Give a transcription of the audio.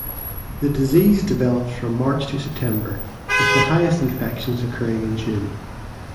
The disease develops from March to September, with the highest infections occurring in June.